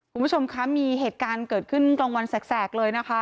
คุณผู้ชมคะมีเหตุการณ์เกิดขึ้นกลางวันแสกเลยนะคะ